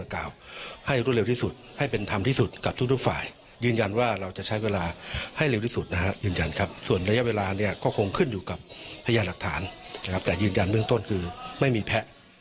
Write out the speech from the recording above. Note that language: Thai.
คุณแม่ฟังแบบนี้ก็น่าจะ